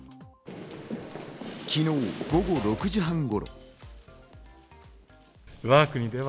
昨日、午後６時半頃。